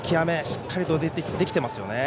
しっかりできていますね。